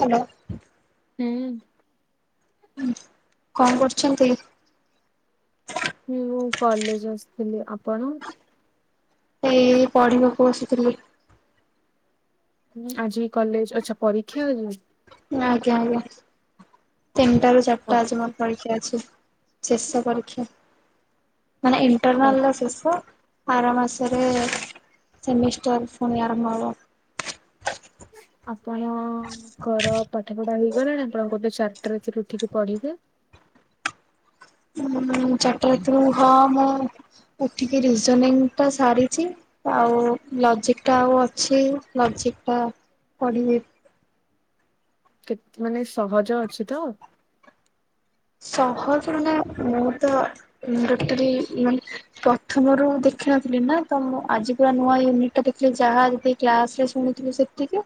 Hello. ହୁଁ। କଣ କରୁଛନ୍ତି? ହୁଁ ମୁଁ କଲେଜ ଆସିଥିଲି ଆପଣ ଏଇ ପଢିବାକୁ ଆସିଥିଲି। ଆଜି କଲେଜ ଆଚ୍ଛା ପରୀକ୍ଷା ଆଜ୍ଞା ଆଜ୍ଞା ତିନିଟା ରୁ ଚାରିଟା ପା- ଆଜି ମୋର ପରୀକ୍ଷା ଅଛି। ଶେଷ ପରୀକ୍ଷା ମାନେ ପା- ଇଣ୍ଟରନାଲର ଶେଷ। ଆରା ମାସରେ ସେମିଷ୍ଟାର ଫୁଣି ଆରମ୍ଭ‌ ହେବ। ଆପଣଙ୍କର ପାଠ ପଢା ହେଇଗଲାଣି ଆପଣ କେବେ ଚାରିଟା ରାତିରୁ ଉଠିକି ପଢିବା। [inaudible] ମୁଁ ମୁଁ ଚାରିଟା ରାତିରୁ ହଁ ମୁଁ ଉଠିକି ରିଜୋନିଙ୍ଗ ଟା ସାରିଛି ଆଉ ଲଜିକଟା ଆଉ ଅଛି ଲଜିକ ‌ହଁ ପଡିିବି। କେତେ ମାନେ ସହଜ ଅଛିତ? ସହଜ ମାନେ ମୁଁ ତ ଗୋଟରେ ମାନେ ପ୍ରଥମରୁ ଦେ ଖିନଥିଲି ନା ତ ମୁଁ ଆଜି ପୁର ନୂଆୟୁନିଟା ଦେଖିଲି ଯାହା ଯେତିକି କ୍ଲାସରେ ଶୁଣିଥିଲି ସେତିକି।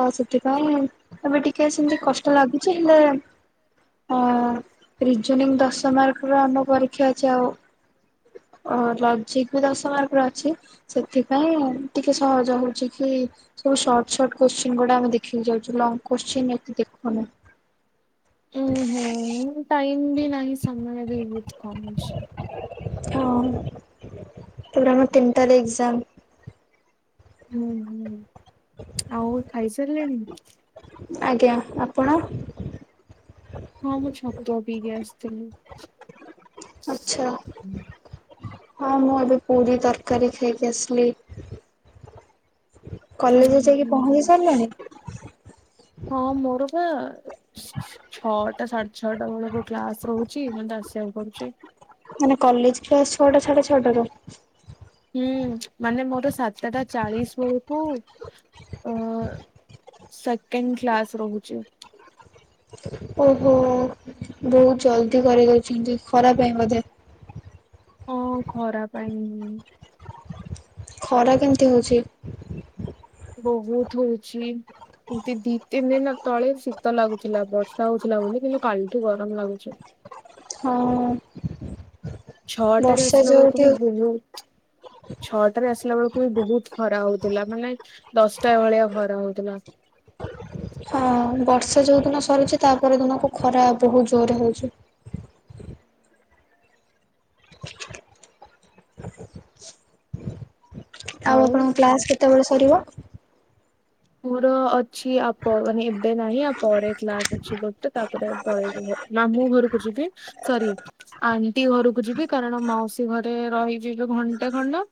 ତ ସେଥିପାଇଁ ଏବେ ଟିକେ ସେମତି କଷ୍ଟ ଲାଗୁଛି ହେଲେ ଅ ରିଜୋନିଙ୍ଗ ଦଶ ମାର୍କ ର ଆମ ପରୀକ୍ଷା ଅଛି ଆଉ। ଓ ଲଜିକ ବି ଦଶ ମାର୍କ ର ଅଛି ସେଥିପାଇଁ ଟିକେ ସହଜ ହୋଉଚି କି ସବୁ ସର୍ଟ ସର୍ଟ କୋଶ୍ଚିନ ଗୁଡ଼ା ଆମେ ଦେଖିକି ଯାଉଚୁ ଲଙ୍ଗ କୋଶ୍ଚିନ ଏତେ ଦେଖୁନୁ। ଉଁ ହୁଁ। ଟାଇମ ବି ନାହିଁ ସମୟ ବି ବୋହୁତ କମ୍ ଅଛି। ହଁ ତାପରେ ଆମର ତିନିଟାରେ ଏକ୍ସାମ। ହୁଁ ହୁଁ ଆଉ ଖାଇ ସାରିଲେଣି? ଆଜ୍ଞା ଆପଣ। ହଁ ମୁଁ ଛତୁଆ ପିଇକି ଆସିଥିଲି। ଆଚ୍ଛା। ହଁ ମୁଁ ଏବେ ପୁରୀ ତରକାରୀ ଖାଇକି ଆସିଲି। ହୁଁ କଲେଜ ଯାଇକି ହୁଁ। ପହଞ୍ଚି ସାରିଲଣି? ହଁ ମୋର ବା ଛଅଟା ସାଢେ ଛଅଟା ବେଳକୁ କ୍ଲାସ ରହୁଚି ମତେ ଆସିବାକୁ ପଡୁଚି। ମାନେ କଲେଜ କ୍ଲାସ୍ ଛଅଟା ସାଢେ ଛଅଟା ରୁ? ହୁଁ ମାନେ ମୋର ସାତଟା ଚାଳିଶ ବେଳକୁ ଅ ସେକେଣ୍ଡ କ୍ଲାସ ରହୁଚି। ଓହୋ ବହୁତ ଜଲଦି କରିଦଉଛନ୍ତି ଖରା ପାଇଁ ବୋଧେ? [inaudible] ହଁ ଖରା ପାଇଁ। ଖରା କେମିତି ହଉଛି? ବହୁତ ହଉଚି। ଦି ତିନି ଦିନ ତଳେ ଶୀତ ଲାଗୁଥିଲା ବର୍ଷା ହଉଥିଲା ବୋଲି କିନ୍ତୁ କାଲିଠୁ ଗରମ ଲାଗୁଚି। ହଁ। ଛଅଟାରେ ବର୍ଷା ଆସିଲା ବେଳୁକୁ ଯୋଉଠି ବି ବୋହୁତ ଛଅଟାରେ ଆସିଲା ବେଳକୁ ବି ବହୁତ ଖରା ହଉଥିଲା ମାନେ ଦଶଟା ଭଳିଆ ଖରା ହଉ ତିଲା। ହ [unintelligible] ହଁ ବର୍ଷା ଯୋଉ ଦିନ ସରୁଚି ତାପର ଦିନକୁ ଖରା ବହୁତ ଜୋରେ ହଉଚି। [inaudible] [inaudible] ଆଉ ଆପଣ ଙ୍କ କ୍ଲାସ କେତବେଳେ ସରିବ? ମୋର ଅଛି ଆପ ମାନେ ଏବେ ନାହିଁ ଆପରେ କ୍ଲାସ ଅଛି ଗୋ ତ ତାପରେ ତଳେ ରୁହ ମାମୁଁ ଘରକୁ ଯିବି ସରି ଆଣ୍ଟି ଘରକୁ ଯିବି କାରଣ ମ ମାଉସୀ ଘରେ ରହିଯିବି ଘାଣ୍ଟେ ଖଣ୍ଡ।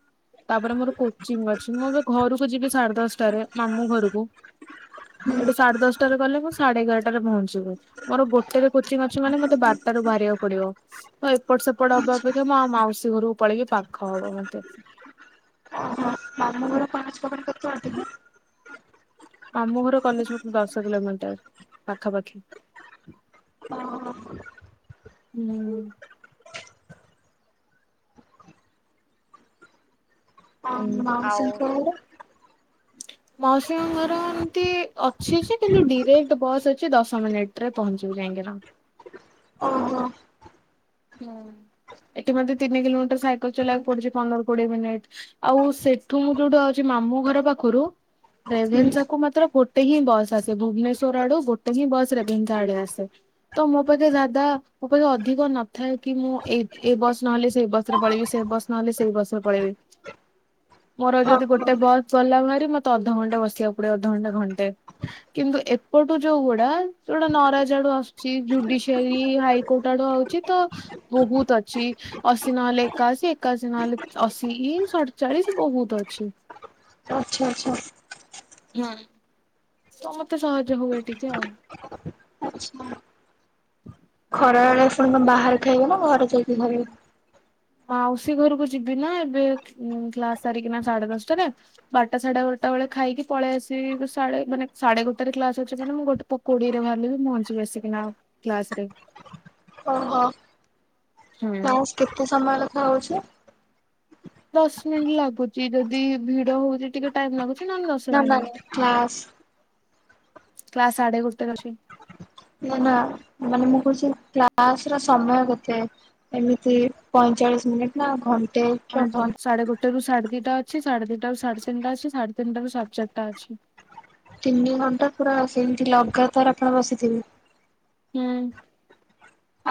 ତାପରେ ମୋର କୋଚିଂ ଅଛି ମୁଁ ଏବେ ଘରକୁ ଯିବି ସାଢେ ଦଶଟାରେ ମାମୁଁ ଘରକୁ ଏଠୁ ସାଡେ ଦଶଟାରେ ଗଲେ ମୁଁ ସାଡେ ଏଗାରଟାରେ ପହଞ୍ଚିବ ମୋର ଗୋଟେରେ କୋଚିଂ ଅଛି ମାନେ ମତେ ବାରଟାରେ ବାହାରିବାକୁ ପଡିବ ତ ଏପଟ ସେପଟ ହବା ଅପେକ୍ଷା ମୁଁ ଆଉ ମାଉସୀ ଘରକୁ ପଳେଇକି ପାଖ ହବ ମତେ। ଓହୋ ମାମୁଁ। ଘର କଲେଜ ପାଖରୁ କେତେ ବାଟ କି? ଆମ ଘର କଲେଜ ପାଖୁରୁ ଦଶ କିଲୋମିଟର ପାଖାପାଖି। ଓ ହୋ। ହୁଁ। ମାଉସୀଙ୍କ ଘର ମାଉସି ଙ୍କ ଘର ଏମିତି ଅଛି ଯେ କିନ୍ତୁ ଡିରେକ୍ଟ ବସ୍ ଅଛି ଦଶ ମିନିଟ ରେ ପହଞ୍ଚି ଯାଇକିନା। ଓହୋ। ହୁଁ ଏଠି ମତେ ତିନି କିଲୋମିଟର ସାଇକେଲ ଚଲେଇବାକୁ ପଡୁଚି ପନ୍ଦର କୋଡିଏ ମିନିଟ ଆଉ ସେ ସେଠୁ ମୁଁ ଯୋଉଟୁ ଆଉଚି ମାମୁଁ ଘର ପାଖରୁ ହୁଁ ରେଭେନ୍ସା କୁ ମାତ୍ର ଗୋଟେ ହିଁ ବସ୍ ଆସେ ଭୁବନେଶ୍ଵର ଆଡୁ ଗୋଟେ ହିଁ ବସ୍ ରେଭେନ୍ସା ଆଡେ ଆସେ। ତ ମୋ ପାଖେ ଜାଦା ମୋ ପାଖେ ଅଧିକ ନ ଥାଏ କି ମୁଁ ଏଇ-ଏ-ବସ୍ ନହେଲେ ସେଇ ବସ ରେ ପଳେଇବି ସେ ବସ୍ ନହେଲେ ସେଇ ବସ ରେ ପଳେଇବି। ହଁ [unintelligible] ମୋର ଯଦି ଗୋଟେ ବସ୍ ଚଲା ଭା ମତେ ଅଧଘଣ୍ଟେ ବସିବାକୁ ପଡିବ ଅଧଘଣ୍ଟେ ଘଣ୍ଟେ କିନ୍ତୁ ଏପଟୁ ଯୋଉ ଗୁଡା ଯୋଉଡ଼ା ନରା ଜ ଆଡୁ ଆସୁଛି ଜୁଡିସିଆରୀ ହାଇକୋର୍ଟ ଆଡୁ ଆଉଚି ତ ବହୁତ ଅଛି ଅଶି ନହେଲେ ଏକାଅଶୀ ଏକାଅଶୀ ନହେଲେ ଅଶି ଇ ସଡଚାଳିଶି। ବହୁତ ଅଛି। ଆଚ୍ଛା ଆଚ୍ଛା। ହୁଁ। ତ ମତେ ସହଜ ହୁଏ ଟିକେ, ଆଉ ଖରା ବେଳେ ଶୁଣି ବାହାରେ ଖାଇବ ନା ଘରେ ଯାଇକି ଧରିବ ମାଉସୀ ଘରକୁ ଯିବି ନା ଏବେ କ୍ଲାସ ସାରିକିନା ସାଢେ ଦଶଟାରେ, ବାରଟା ସାଢେ ବାରଟା ସେତେବେଳେ ଖାଇକି ପଳେଇ ଆସିବି, ମାନେସାଢେ ଗେ। ଟେରେ କ୍ଲାସ ଅଛି ମାନେ, ମୁଁ ଗୋଟେ କୋଡିଏରେ ବାହାରିଲେବି ପହଞ୍ଚି ପାରିବି। ନା କ୍ଲାସରେ ଓହୋ ହୁଁ। କ୍ଲାସ କେତେ ସମୟ ଲଖା ହଉଛି? ଦଶ ମିନିଟ ଲାଗୁଛି ଯଦି ଭିଡ ହଉଛି, ଟିକେ ଟାଇମ ଲାଗୁଛି। ନହେଲେ ଦଶ ନା ନା ମିନିଟ୍। କ୍ଲାସ୍ କ୍ଲାସ ସାଡେ ଗୋଟେ ରେ ଅଛି। ନା, ନା, ମାନେ ମୁଁ କହୁଛି -କ୍ଲାସ ର ସମୟ କେତେ ଏମିତି ପଇଁଚାଳି ଚାଶ ମିନିଟ ନା ଘ [unintelligible] ହ ସା଼େ ଗୋ [unintelligible] ସାଢେ ଦିଟା ଅଛି, ସାଢେ ଦିଟା ରୁ ସାଢେ ତିନଟା ଅଛି, ସାଢ଼େ ତିିନିଟା ରୁ ସାଢେ ଚାରିଟା ଅଛି। ତିନି ଘଣ୍ଟା ପୁରା ସେମିତି ଲଗାତାର ଆପଣ ବସିଥିବେ ହୁଁ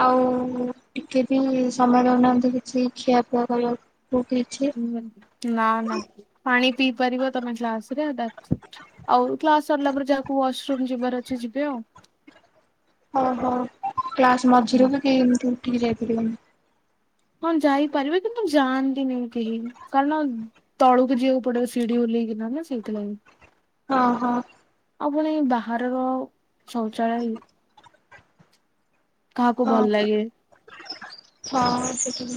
ଆଉ ଟିକେ ବି ସମୟ ନଉନାହାନ୍ତି କିଛି ଖିଆ ପିଆ କରିବାକୁ ଆଉ କିଛି ନା ନା ପାଣି ପିଇ ପାରିବ ତମେ କ୍ଲାସ ରେ, ଆଉ କ୍ଲାସ ସରିଲା ପରେ ଯାହାକୁ ୱାଶ ରୁମ ଯିବାର ଅଛି, ଯିବେ ଆଉ ହଁ ହଁ କ୍ଲାସ ମଝିରେ ବି କେହି ଏମିତି ଉଠିକି ଯାଇପାରିବେନି ହଁ ଯାଇପାରିବେ କିନ୍ତୁ ଯାଆନ୍ତିନି କେହି କାରଣ -ତଳୁକୁ ଯିବାକୁ ପଡିବ ସିଢି ଓଲେହ କି ନା ସେଇଥିଲାଗି [unintelligible] ହଁ ହଁ ଆଉ ପୁଣି ବାହାରର ଶୌଚାଳୟ କାହାକୁ ହଁ ଭଲ ଲାଗେ? ହଁ ସେଠି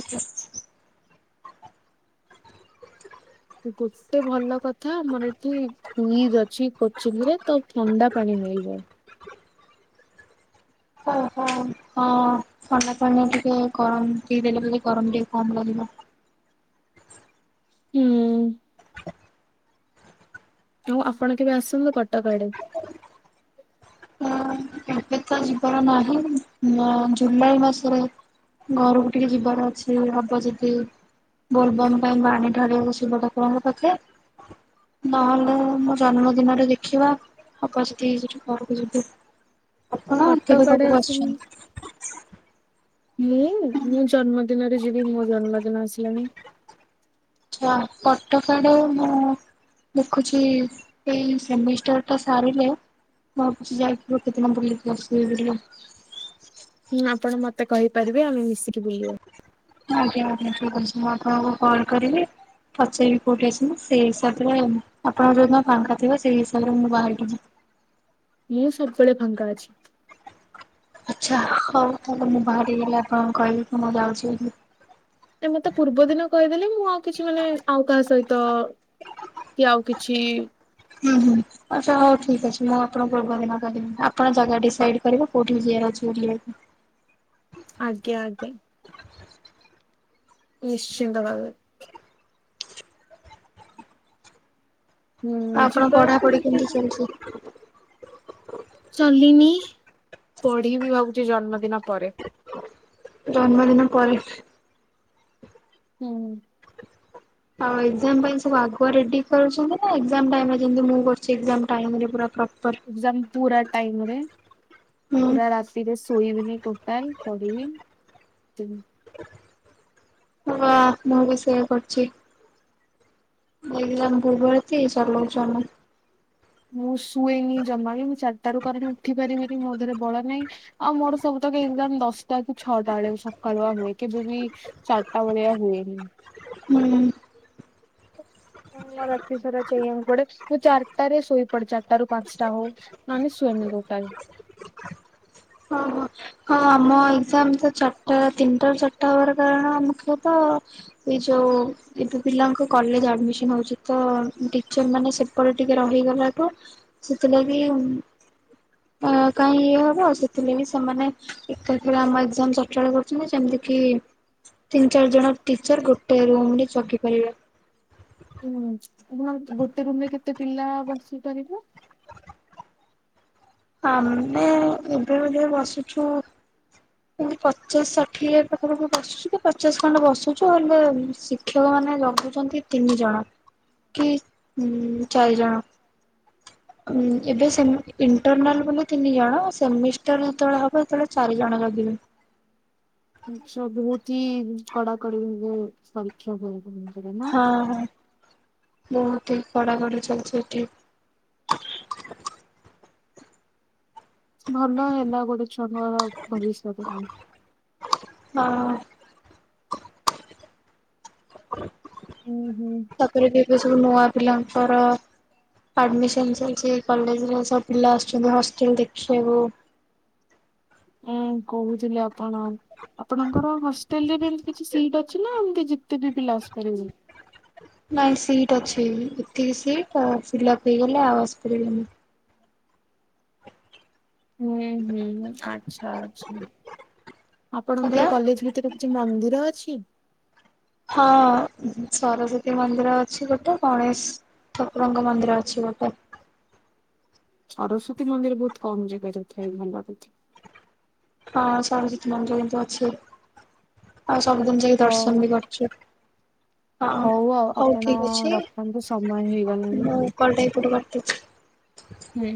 ଗୋଟେ ଭଲ କଥା ଆମର ଏଠି ଫ୍ରିଜ୍ ଅଛି, କୋଚିନିରେ ତ ଥଣ୍ଡା ପାଣି ମିଳିବ ହଉ ହଉ ହଁ ଥଣ୍ଡା ପାଣି ଟିକେ ପି ଦେଲେ ବୋଲି ଗରମ ଟିକେ କମ ଲାଗିବ ହୁଁ ଆଉ ଆପଣ କେବେ ଆସନ୍ତୁ କଟକ ଆଡେ। ଏବେ ତ ନାହିଁ, ଜୁଲାଇ ମାସରେ ଘରକୁ ଟିକେ ଯିବାର ଅଛି, ହବ ଯଦି ବୋଲବମ ପାଇଁ ପାଣି ଢ଼ାଳିବାକୁ, ଶିବ ଠାକୁରଙ୍କ ପାଖେ ନହେଲେ ମୋ ଜନ୍ମଦିନରେ ଦେଖିବା ହବ ଯଦି ସେଇଠୁ ଘରକୁ ଯିବି। ଆପଣ କେବେ କଟକ ଆଡେ ପାଖକୁ [unintelligible] ଆସିକି ଆସିଛନ୍ତି? ମୁଁ, ମୁଁ ଜନ୍ମଦିନରେ ଯିବି ମୋ ଜନ୍ମଦିନ ଆସିଲାଣି କଟକ ଆଡେ ମୁଁ ଦେଖୁଛି ଏଇ ସେମିଷ୍ଟାର ଟା ସାରିଲେ ଭାବୁଛି ଯାଇକି ଗୋଟେ ଦିନ ବୁଲିକି ଆସିବି ବୋଲି ହୁଁ ଆପଣ ମତେ କହିପାରିବେ, ଆମେ ମିଶିକି ବୁଲିବା। ଆଜ୍ଞା, ଆଜ୍ଞା, ଠିକ ଅଛି ମୁଁ ଆପଣଙ୍କୁ କଲ୍ କରିବି। ପଚାରିବି କୋଉଠି ଅଛନ୍ତି, ସେଇ ହିସାବରେ ଆପଣ ଯୋଉ ଦିନ ଫାଙ୍କା ଥିବେ ସେଇ ହିସାବରେ ମୁଁ ବାହାରିିବି ଯିବି। [inaudible] ମୁଁ ସବୁବେଳେ ଫାଙ୍କା ଅଛି। ଆଛା, ହଉ ତାହାଲେ ମୁଁ ବାହାରିକି ଗଲେ ଆପଣଙ୍କୁ କହିବି କି -ମୁ ଯାଉଛି ବୋଲି ମତେ ପୂର୍ବ ଦିନ କହିଦେଲେ ବି -ମୁଁ ଆଉ କିଛି ମାନେ ଆଉ କାହା ସହିତ କି ଆଉ କିଛି ହୁଁ ହୁଁ ଆଛା ହୋଉ ଠିକଅଛି ମୁଁ ଆପଣଙ୍କୁ ପୂର୍ବଦିନ କହିବି ଆପଣ ଜାଗା ଡିସାଇଡ୍ କରିବେ କୋଉଠିକି ଯିବାର ଅ ଶୋଇଥିଲେ। [unintelligible] ଆଜ୍ଞା ଆଜ୍ଞା। ନିଶ୍ଚିନ୍ତ ଭାବେ। ହୁଁ ଆଉ ଆପଣଙ୍କ ଯିବା ପଢାପଢି କେମତି ଚାଲିଚି? ଚଲିନି ପଢିବି ଭାବୁଚି ଜନ୍ମଦିନ ପରେ। ଜନ୍ମଦିନ ପରେ? ହୁଁ। ଆଉ ଏଗଜାମ୍ ପାଇଁ ସବୁ ଆଗୁଆ ରେଡି କରୁଚନ୍ତି ନା ଏଗଜାମ୍ ଟାଇମରେ ଯେମତି ମୁଁ କରଚୀ ଏଗଜାମ୍ ଟାଇମରେ ପୁରା ପ୍ର ଏଗଜାମ୍ ପୁରା ଟାଇମରେ ହୁଁ ପୁରା ରାତିରେ ଶୋଇବିନି ଟୋଟାଲ୍ ପଢିବି ତେବେ ହଁ ମୁଁ ବି ସେଇୟା କରଚି। ମୁଁ ଏଗଜାମ୍ ପୂର୍ବ ରାତି [unintelligible] ଆମ ମୁଁ ଶୁଏନି ଜମା ବି ମୁଁ ଚାରଟାରୁ କାରଣ ଉଠି ପାରେନିକି ମୋ ଦେହରେ ବଳ ନାହିଁ ଆଉ ମୋର ସବୁ ତ ଏଗଜାମ୍ ଦଶଟା କି ଛଅଟା ବେଳେ ସକାଳୁଆ ହୁଏ କେବେ ବି ଚାରଟା ବେଳିଆ ହୁଏନି। ହୁଁ। ପୁରା ରାତି ସାରା ଚେଇଁବାକୁ ପଡେ ମୁଁ ଚାରଟାରେ ଶୋଇ ପଡେ ଚାରଟାରୁ ପାଞ୍ଚଟା ହୋଉ ନହେନେ ଶୁଏନି ବୋହୁତ ଟାଇମ। ହଁ ହଁ ଆମ ଏଗଜାମ ତ ଚାରଟା ତିନଟାରୁ ଚାରଟା ହବାର କାରଣ ମୁଖ୍ୟତ ଏଇ ଯୋଉ ଓ ଏଠୁ ପିଲାଙ୍କୁ କଲେଜ ଆଡମିସନ ହୋଉଚି ତ ଟିଚରମାନେ ସେପଟେ ଟିକେ ରହିଗଲାଠୁ ସେଥିଲାଗି ଅଁ-କାଇଁ ଇଏ ହବ ସେଥିଲାଗି ସେମାନେ ଏକାଥରେ ଆମ ଏଗଜାମ୍ ଚଞ୍ଚଳ କରୁଚନ୍ତି ସେମତି କି ତିନି ଚାରିଜଣ ଟିଚର ଗୋଟେ ରୁମରେ ଜଗିପାରିବେ। ହୁଁ ଏବଂ ଗୋଟେ ରୁମରେ କେତେ ପିଲା ବସି ପାରିବ। ଆମେ ଏବେ ଏବେ ବସୁଛୁ ପୁଣି ପଚାଶ ଷାଠିଏ ପାଖାପାଖି ବସୁଚୁ କି ପଚାଶ ଖଣ୍ଡ ବସୁଚୁ ହେଲେ ଶିକ୍ଷକମାନେ ଜଗୁଛନ୍ତି ତିନିଜଣ କି ଉଁ-ଚାରିଜଣ। ଉଁ ଏବେ ଇଣ୍ଟର୍ନାଲ୍ ବୋଲି ତିନିଜଣ ସେମିଷ୍ଟାର ଯେତେବେଳେ ହବ ସେତେବେଳେ ଚାରିଜଣ ଜଗ୍ ଗିବେ ସେ ବୋହୁତ ହି କଡାକଡି ଯୋଉ ପରୀକ୍ଷା ହୁଏ [unintelligible] ନା। ବୋହୁତ ହି କଡାକଡି ଚାଲିଛି ଏଠି। ଭଲ ହେଲା ଗୋଟେ ଛଆଙ୍କର ଭବିଷ୍ୟତ ପାଇଁ। ହଁ। ହୁଁ ହୁଁ ତାପରେ ବି ଏବେ ସବୁ ନୂଆ ପିଲାଙ୍କର ଆଡମିସନ ଚାଲଚି ଏଇ କଲେଜରେ ସବୁ ପିଲା ଆସୁଚନ୍ତି ହଷ୍ଟେଲ୍ ଦେଖୁବାକୁ। ହ ଉଁ କହୁଥୁଲେ ଆପଣ। ଆପଣଙ୍କର ହଷ୍ଟେଲରେ ବି ଏମତି କିଛି ସିଟ୍ ଅଛିନା ଏମତି ଯେତେ ବି ପିଲା ଆସିପାରିବେ? ନାଇଁ ସିଟ୍ ଅଛି ଏତିକି ସିଟ୍ ତା ସିଲେକ୍ଟ ହେଇଗଲେ ଆଉ ଆସିପାରିବେନି। ହୁଁ ହୁଁ ଆଛା ଆଛା। ଆଜ୍ଞା ଆପଣଙ୍କର କଲେଜ ଭିତରେ କିଛି ମନ୍ଦିର ଅଛି? ହଁ ସରସ୍ଵତୀ ମନ୍ଦିର ଅଛି ଗୋଟେ ଗଣେଶ ଠାକୁରଙ୍କ ମନ୍ଦିର ଅଛି ଗୋଟେ। ସରସ୍ଵତୀ ମନ୍ଦିର ବୋହୁତ କମ ଜାଗାରେ ଥାଏ ଭଲକଥା। ହଁ ସରସ୍ୱତୀ ମନ୍ଦିର କିନ୍ତୁ ଅଛି ହସ୍ ସବୁଦିନ ଯାଇ ହଉ ଦର୍ଶନ ବି କରଚୁ। ହଁ ହଉ ଆଉ ହୋଉ ଆପଣ ଠିକଅଛି ରଖନ୍ତୁ ସମୟ ହେଇଗଲାଣି। ମୁଁ କଲଟା ଏଇପଟୁ କାଟୁଚି। ହୁଁ।